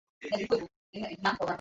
সিলেটে আমার এক মামা আছেন।